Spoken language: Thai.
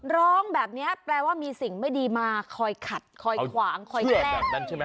ร้องแบบนี้แปลว่ามีสิ่งไม่ดีมาคอยขัดคอยขวางคอยแกล้ง